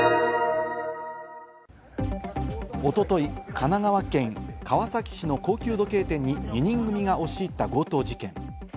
おととい、神奈川県川崎市の高級時計店に２人組が押し入った強盗事件。